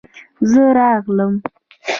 زه راغلم.